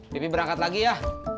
pipi berangkat lagi ya